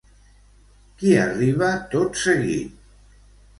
Qui arriba tot seguit?